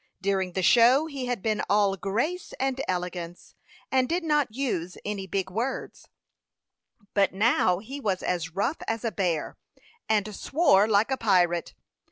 During the show he had been all grace and elegance, and did not use any big words, but now he was as rough as a bear, and swore like a pirate.